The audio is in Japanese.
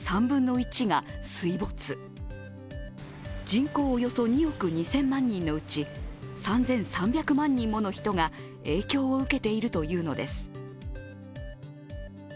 人口およそ２億２０００万人のうち３３００万人もの人が影響を受けているというのです。